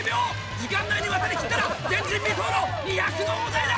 時間内に渡り切ったら前人未到の２００の大台だ！